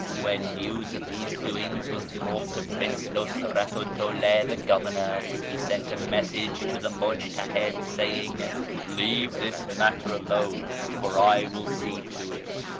" When news of these doings was brought to Prince Nusratu 'd Dawla, the Governor, he sent a message to the MujtaMcls, saying, ' Leave this matter alone, for I will see to it.'